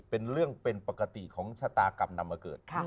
เป็นเรื่องเป็นปกติของชะตากรรมนำมาเกิด